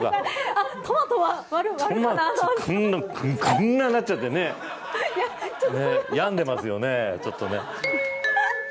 こんななっちゃってね病んでますよね。